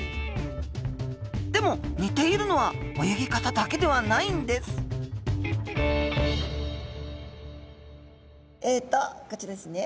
でも似ているのは泳ぎ方だけではないんですえとこちらですね。